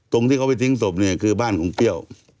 ที่เขาไปทิ้งศพเนี่ยคือบ้านของเปรี้ยว